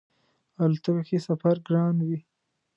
الوتکه کی سفر ګران وی